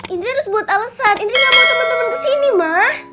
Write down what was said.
indri harus buat alesan indri ngamain temen temen kesini ma